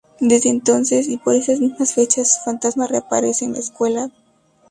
Desde entonces y por esas mismas fechas, su fantasma reaparece en la escuela.